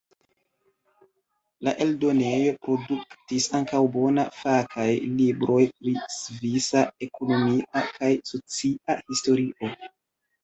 La eldonejo produktis ankaŭ bonaj fakaj libroj pri svisa ekonomia kaj socia historio.